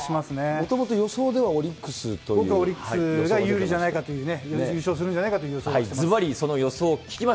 もともと予想では、オリック僕はオリックスが有利じゃないかというね、優勝するんじゃないかと予想してます。